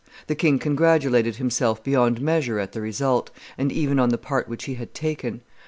The king congratulated himself beyond measure at the result, and even on the part which he had taken.